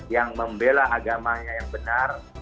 yang membela agamanya yang benar